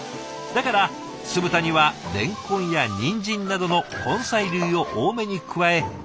だから酢豚にはれんこんやにんじんなどの根菜類を多めに加え